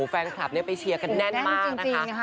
แฟนคลับไปเชียร์กันแน่นมากนะคะ